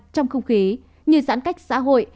trong không khí như giãn cách xã hội